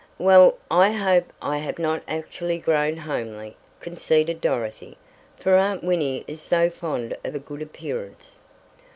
"Well, I hope I have not actually grown homely," conceded Dorothy, "for Aunt Winnie is so fond of a good appearance."